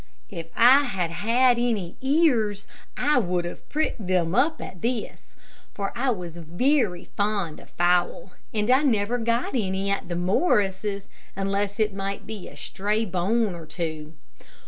If I had had any ears I would have pricked them up at this, for I was very fond of fowl, and I never got any at the Morrises', unless it might be a stray bone or two.